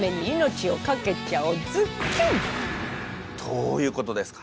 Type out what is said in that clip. どういうことですか？